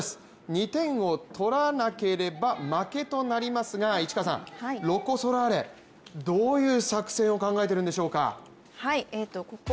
２点を取らなければ負けとなりますが市川さん、ロコ・ソラーレどういう作戦を考えてるんでしょうか？